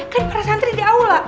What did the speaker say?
kan para santri di aula